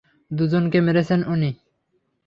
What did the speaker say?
দুজনকে মেরেছেন উনি।